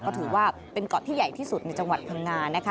ก็ถือว่าเป็นเกาะที่ใหญ่ที่สุดในจังหวัดพังงานะคะ